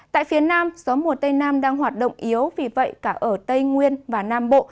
tại phía nam gió mùa tây nam đang hoạt động yếu vì vậy cả ở tây nguyên và nam bộ